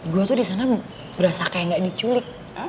gue tuh disana berasa kayak gak diculik